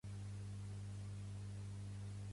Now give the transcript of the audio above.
Quantes vegades resen els musulmans al dia?